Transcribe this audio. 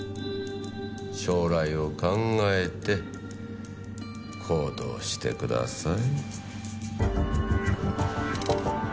将来を考えて行動してください。